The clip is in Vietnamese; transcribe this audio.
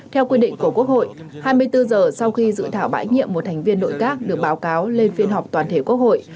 theo quy định của quốc hội hai mươi bốn giờ sau khi dự thảo bãi nhiệm một thành viên nội các được báo cáo lên phiên họp toàn thể quốc hội